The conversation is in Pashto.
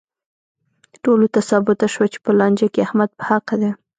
ټولو ته ثابته شوه چې په لانجه کې احمد په حقه دی.